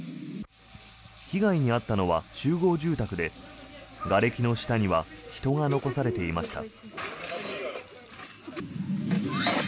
被害に遭ったのは集合住宅でがれきの下には人が残されていました。